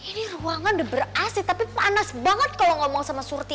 ini ruangan udah berhasil tapi panas banget kalo ngomong sama surti